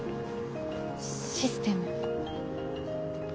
システム。